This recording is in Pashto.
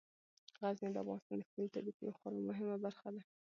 غزني د افغانستان د ښکلي طبیعت یوه خورا مهمه برخه ده.